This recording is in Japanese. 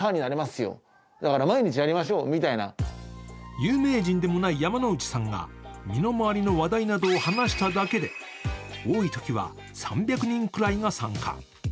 有名人でもない山之内さんが身の周りの話題などを話しただけで多いときは３００人くらいが参加。